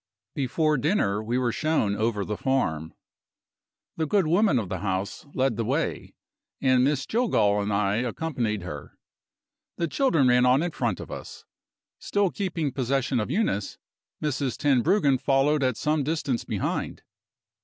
Before dinner we were shown over the farm. The good woman of the house led the way, and Miss Jillgall and I accompanied her. The children ran on in front of us. Still keeping possession of Eunice, Mrs. Tenbruggen followed at some distance behind.